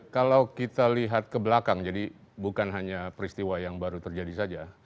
kalau kita lihat ke belakang jadi bukan hanya peristiwa yang baru terjadi saja